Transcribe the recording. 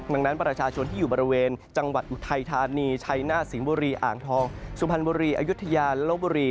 ดังนั้นประชาชนที่อยู่บริเวณจังหวัดอุทัยธานีชัยหน้าสิงห์บุรีอ่างทองสุพรรณบุรีอายุทยาลบบุรี